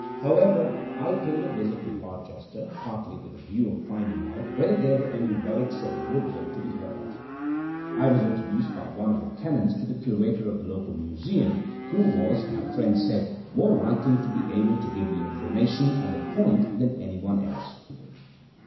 However, I paid a visit to Barchester, partly with the view of finding out whether there were any relics of the woodwork to be heard of. I was introduced by one of the canons to the curator of the local museum, who was, my friend said, more likely to be able to give me information on the point than anyone else.